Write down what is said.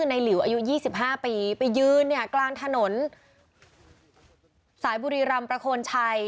หลิวอายุ๒๕ปีไปยืนเนี่ยกลางถนนสายบุรีรำประโคนชัย